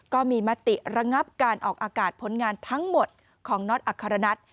ก็มีมติระงับการออกอากาศผลงานทั้งหมดของน็อตอัครนัท